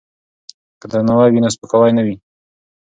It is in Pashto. که درناوی وي نو سپکاوی نه وي.